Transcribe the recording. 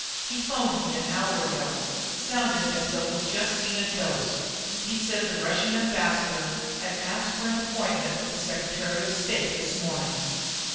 "He phoned me an hour ago. Sounded as though he'd just seen a ghost. He said the Russian ambassador had asked for an appointment with the Secretary of State this morning...."